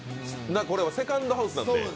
これはセカンドハウスだし。